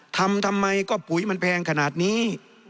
ทำทำไมก็ปุ๋ยมันแพงขนาดนี้